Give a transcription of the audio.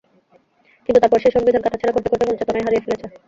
কিন্তু তারপর সেই সংবিধান কাটাছেঁড়া করতে করতে মূল চেতনাই হারিয়ে ফেলেছ।